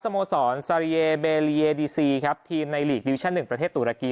โมสรซาริเยเบเลียดีซีครับทีมในหลีกดิวิชั่น๑ประเทศตุรกี